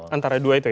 antara dua itu ya